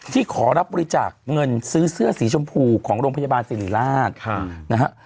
ขอรับบริจาคเงินซื้อเสื้อสีชมพูของโรงพยาบาลสิริราชนะฮะ